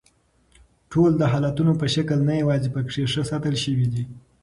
ټوله د حالتونو په شکل نه یواځي پکښې ښه ساتل شوي دي